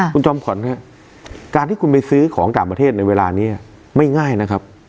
คุณจอมขวัญครับการที่คุณไปซื้อของต่างประเทศในเวลานี้ไม่ง่ายนะครับ